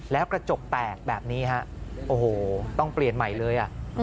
แล้วกระจกแตกแบบนี้ฮะโอ้โหต้องเปลี่ยนใหม่เลย